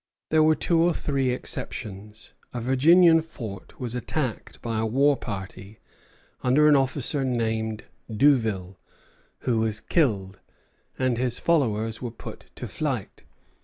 There were two or three exceptions. A Virginian fort was attacked by a war party under an officer named Douville, who was killed, and his followers were put to flight.